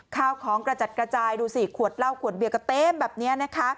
ข้าวของกระจัดกระจายดูสิขวดเหล้าขวดเบียร์ก็เต็มแบบนี้นะคะ